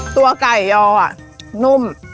ตัวไก่ยอะนุ่ม